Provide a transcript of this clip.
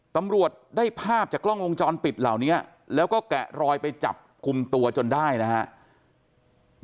ตำรวจได้ภาพจากกล้องวงจรปิดเหล่านี้แล้วก็แกะรอยไปจับกลุ่มตัวจนได้นะครับ